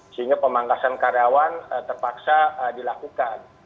sehingga pemangkasan karyawan terpaksa dilakukan